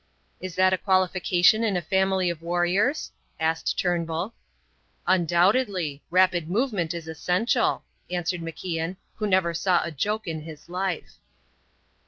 "Is that a qualification in a family of warriors?" asked Turnbull. "Undoubtedly. Rapid movement is essential," answered MacIan, who never saw a joke in his life.